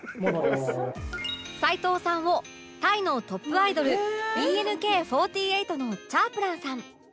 齊藤さんをタイのトップアイドル ＢＮＫ４８ のチャープランさん